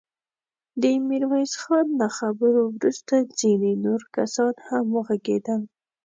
د ميرويس خان له خبرو وروسته ځينې نور کسان هم وغږېدل.